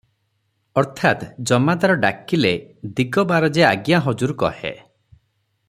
ଅର୍ଥାତ୍ ଜମାଦାର ଡାକିଲେ ଦିଗବାର ଯେ 'ଆଜ୍ଞା ହଜୁର' କହେ